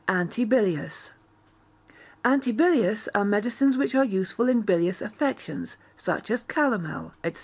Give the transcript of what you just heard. Antibilious Antibilious are medicines which are useful in bilious affections, such as calomel, &c.